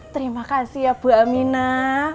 terima kasih ya bu amina